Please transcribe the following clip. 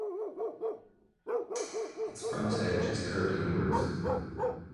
Its front edge is curved inwards.